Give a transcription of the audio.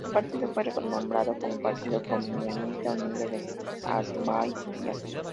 El partido fue renombrado como Partido Comunista Unido de Azerbaiyán.